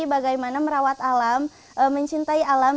bagaimana merawat alam mencintai alam